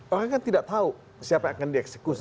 orang kan tidak tahu siapa yang akan dieksekusi